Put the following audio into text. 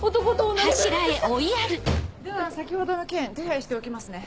では先ほどの件手配しておきますね。